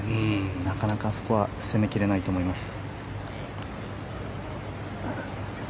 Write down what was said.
なかなかあそこは攻め切れないと思います。